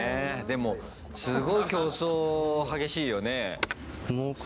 でも、すごい競争激しいよね。